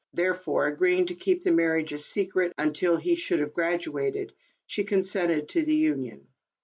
Therefore, agreeing to keep the marriage a secret, until he should have graduated, she consented to the union.